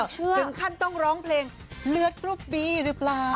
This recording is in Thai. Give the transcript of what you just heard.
ถึงขั้นต้องร้องเพลงเลือดกรุ๊ปบีหรือเปล่า